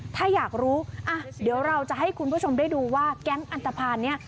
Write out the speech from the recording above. ถ้าอยากรู้อ่ะเดี๋ยวเราจะให้คุณผู้ชมได้ดูว่าแก๊งอันตภัณฑ์นี้